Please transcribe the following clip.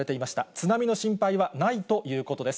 津波の心配はないということです。